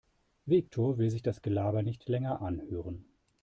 Viktor will sich das Gelaber nicht länger anhören.